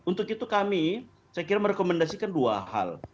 untuk itu kami saya kira merekomendasikan dua hal